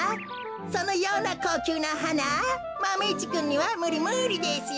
そのようなこうきゅうなはなマメ１くんにはむりむりですよ。